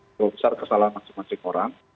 seberapa besar kesalahan masing masing orang